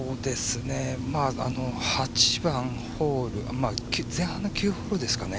８番ホール、前半の９ホールですかね。